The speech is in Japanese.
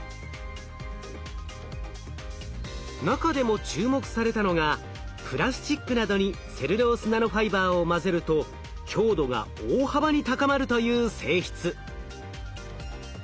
中でも注目されたのがプラスチックなどにセルロースナノファイバーを混ぜると強度が大幅に高まるという性質。